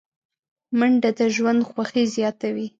منډه د ژوند خوښي زیاتوي